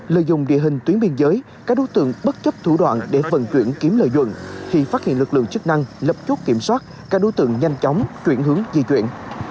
lợi dụng địa hình tuyến biên giới các đối tượng bất chấp thủ đoạn để vận chuyển kiếm lợi nhuận khi phát hiện lực lượng chức năng lập chốt kiểm soát các đối tượng nhanh chóng chuyển hướng di chuyển